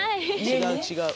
違う違う。